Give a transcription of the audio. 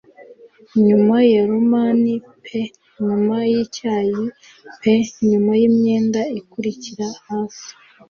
Nyuma ya roman pe nyuma yicyayi pe nyuma yimyenda ikurikira hasi -